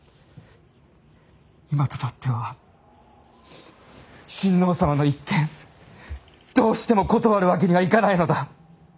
今となっては親王様の一件どうしても断るわけにはいかないのだ。